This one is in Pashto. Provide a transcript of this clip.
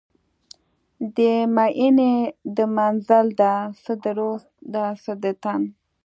د میینې د منزل ده، څه د روح ده څه د تن